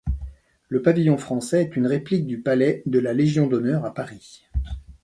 Le pavillon français est une réplique du Palais de la Légion d'honneur à Paris.